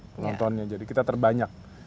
penontonnya jadi kita terbanyak